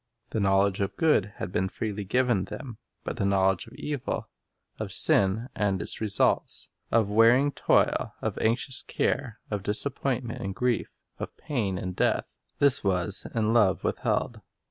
The knowledge of good had been freely given them; but the knowledge of evil, — of sin and its results, of wearing toil, of anxious care, of disappoint ment and grief, of pain and death, — this was in love withheld.